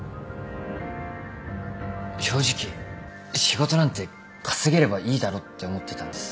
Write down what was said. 正直仕事なんて稼げればいいだろって思ってたんです。